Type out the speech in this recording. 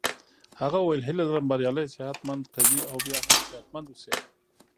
هغه وویل هیله لرم بریالی صحت مند قوي او بیا هم صحت مند اوسې.